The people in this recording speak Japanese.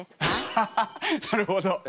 ハハハッなるほど。